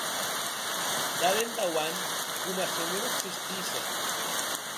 D’ara endauant, coma se non existisse.